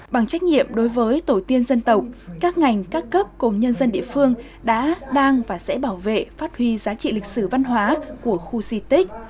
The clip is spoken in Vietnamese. bằng trách nhiệm đối với tổ tiên dân tộc các ngành các cấp cùng nhân dân địa phương đã đang và sẽ bảo vệ phát huy giá trị lịch sử văn hóa của khu di tích